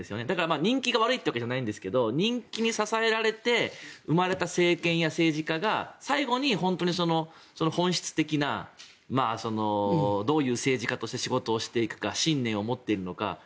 だから、人気が悪いというわけではないんですが人気に支えられて生まれた政権や政治家が最後に本質的などういう政治家として仕事をしていくか信念を持っているのか